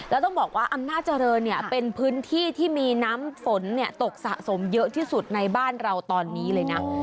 แล้วต้องบอกว่าอำนาจเจริญเนี่ยเป็นพื้นที่ที่มีน้ำฝนตกสะสมเยอะที่สุดในบ้านเราตอนนี้เลยนะ